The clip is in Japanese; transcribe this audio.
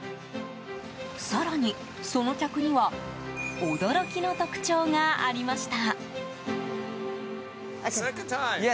更に、その客には驚きの特徴がありました。